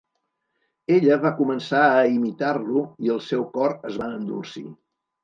Ella va començar a imitar-lo i el seu cor es va endolcir.